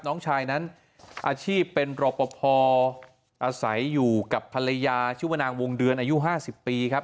น้องชายนั้นอาชีพเป็นรอปภอาศัยอยู่กับภรรยาชื่อว่านางวงเดือนอายุ๕๐ปีครับ